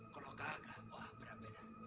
kalau tidak berapa beda